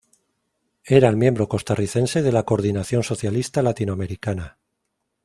Era el miembro costarricense de la Coordinación Socialista Latinoamericana.